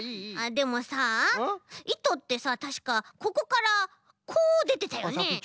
でもさいとってさたしかここからこうでてたよね。